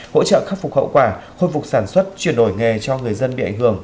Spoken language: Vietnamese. hỗ trợ khắc phục hậu quả khôi phục sản xuất chuyển đổi nghề cho người dân bị ảnh hưởng